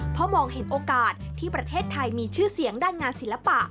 เพราะมองเห็นโอกาสที่ประเทศไทยมีชื่อเสียงด้านงานศิลปะ